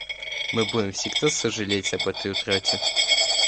Мы будем всегда сожалеть об этой утрате.